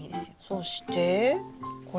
そしてこれは？